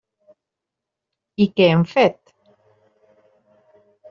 I què hem fet?